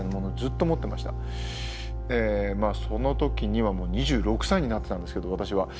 まあその時にはもう２６歳になってたんですけど私は。